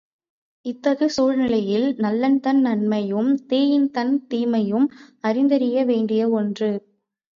இத்தகு சூழ்நிலையில் நல்லதன் நன்மையும் தீயதன் தீமையும் அறிந்தறிய வேண்டிய ஒன்று.